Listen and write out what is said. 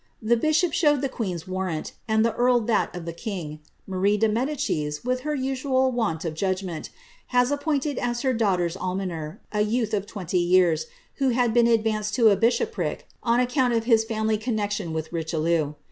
The bishop showed the queen's warrant, and the carl that of the king. Marie de Medicis, with her usual want of judgment, had ap pointed, as her daughter's almoner, a youth of twenty years, who had been advanced to a bishopric on account of his family connexion with Richelieu.